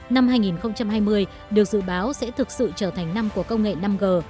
năm hai nghìn hai mươi được dự báo sẽ thực sự trở thành năm của công nghệ năm g